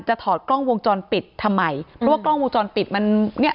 ถอดกล้องวงจรปิดทำไมเพราะว่ากล้องวงจรปิดมันเนี่ย